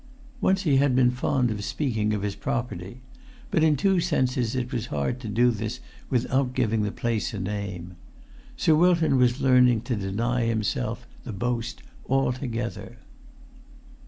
Once he had been fond of speaking of his property; but in two senses it was hard to do this without giving the place a name. Sir Wilton was learning to deny himself the boast altogether.